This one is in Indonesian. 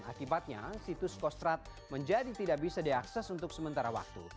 akibatnya situs kostrat menjadi tidak bisa diakses untuk sementara waktu